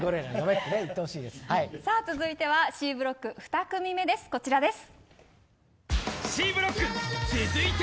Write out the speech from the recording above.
続いてはＣブロック２組目ですこちらです。